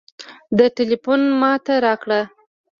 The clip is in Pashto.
ده ټېلفون ما ته راکړ.